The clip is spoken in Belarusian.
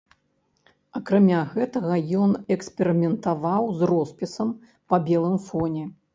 Акрамя гэтага ён эксперыментаваў з роспісам па белым фоне.